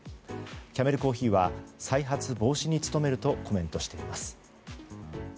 キャメル珈琲は再発防止に努めるとコメントしています。